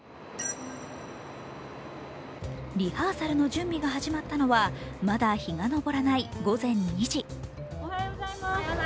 リハーサルの準備が始まったのはまだ日が昇らない午前２時。